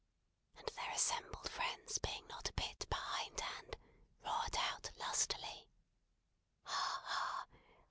And their assembled friends being not a bit behindhand, roared out lustily.